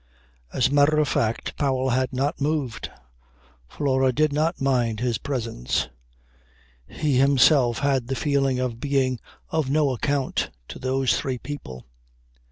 As a matter of fact Powell had not moved. Flora did not mind his presence. He himself had the feeling of being of no account to those three people.